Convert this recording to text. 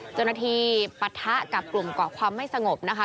เจ้าหน้าที่ปัดทะกับกลุ่มก่อความไม่สงบนะคะ